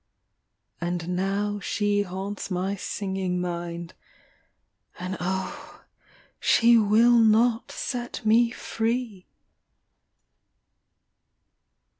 And now she haunts my singing mind — And oh, she will not set me free